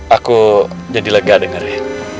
aku jadi lega dengerin